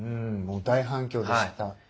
もう大反響でした。